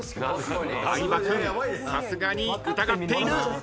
相葉君さすがに疑っている。